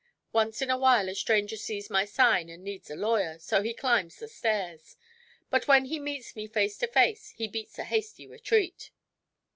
Once in a while a stranger sees my sign and needs a lawyer, so he climbs the stairs. But when he meets me face to face he beats a hasty retreat."